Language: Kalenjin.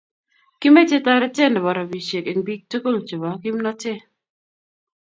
kimeche toretee ne bo robishek eng' biik tugul che bo kimnotee